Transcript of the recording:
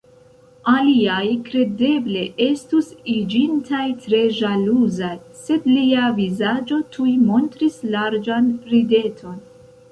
Aliaj kredeble estus iĝintaj tre ĵaluzaj, sed lia vizaĝo tuj montris larĝan rideton.